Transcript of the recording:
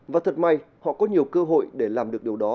và thật may họ có nhiều cơ hội để làm được điều đó